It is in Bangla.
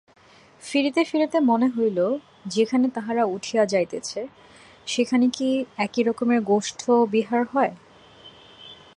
ফিরিতে ফিরিতে মনে হইল, যেখানে তাহারা উঠিয়া যাইতেছে সেখানে কি এরকম গোষ্ঠবিহার হয়?